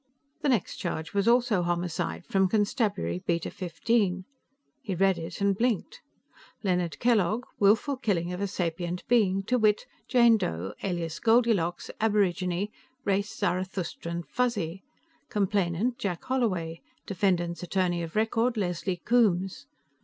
The next charge was also homicide, from Constabulary, Beta Fifteen. He read it and blinked. Leonard Kellogg, willful killing of a sapient being, to wit, Jane Doe alias Goldilocks, aborigine, race Zarathustran Fuzzy, complainant, Jack Holloway, defendant's attorney of record, Leslie Coombes.